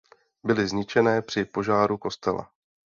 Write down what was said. Byly zničené při požáru kostela.